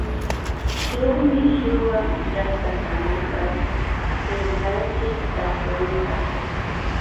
Shuk mishuwa llaktakamaywasi rirkanchik tapunkapa